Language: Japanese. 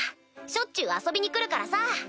しょっちゅう遊びに来るからさ。